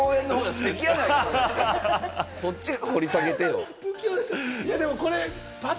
そっち掘り下げてよ。